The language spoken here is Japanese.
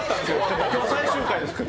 今日、最終回ですから。